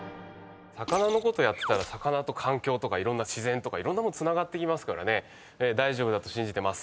魚のことやってたら魚と環境とかいろんな自然とかつながっていきますからね大丈夫だと信じてます。